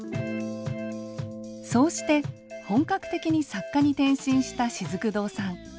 そうして本格的に作家に転身したしずく堂さん。